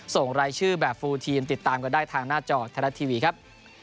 ส่งรายชื่อแบบฟูลทีมติดตามกันได้ทางหน้าจอไทยรัฐทีวีครับ